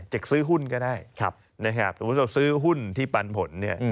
จักรซื้อหุ้นก็ได้สมมุติซื้อหุ้นที่ปันผล